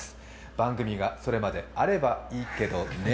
番組が、それまであればいいけどね。